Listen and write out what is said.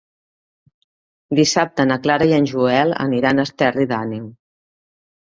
Dissabte na Clara i en Joel aniran a Esterri d'Àneu.